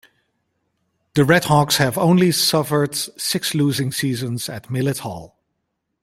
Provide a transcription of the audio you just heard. The RedHawks have only suffered six losing seasons at Millett Hall.